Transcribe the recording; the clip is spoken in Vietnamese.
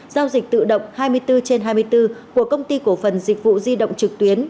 giao dịch tự động hai mươi bốn trên hai mươi bốn của công ty cổ phần dịch vụ di động trực tuyến